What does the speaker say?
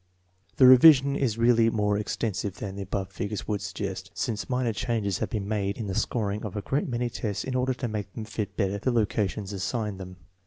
The revision is really more extensive than the above figures would suggest, since minor changes have been made in the scoring of a great many tests in order to make them fit better the locations assigned them.